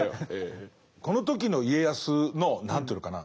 この時の家康の何というのかな